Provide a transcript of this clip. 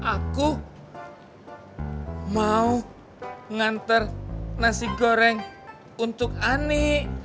aku mau nganter nasi goreng untuk ani